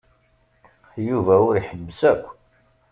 Yuba ur iḥebbes akk.